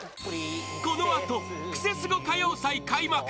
［この後クセスゴ歌謡祭開幕］